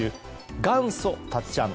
元祖たっちゃん